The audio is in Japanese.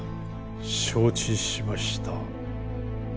承知しました。